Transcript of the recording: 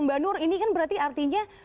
mbak nur ini kan berarti artinya